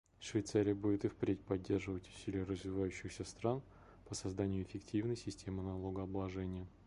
Швейцария будет и впредь поддерживать усилия развивающихся стран по созданию эффективной системы налогообложения.